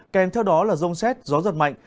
kèm theo đó là rông xét gió giật mạnh